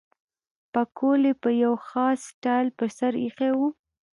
پکول یې په یو خاص سټایل پر سر اېښی وو.